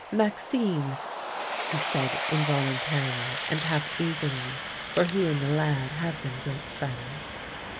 " Maxime! " he said involuntarily and half eagerly, for he and the lad had been great friends.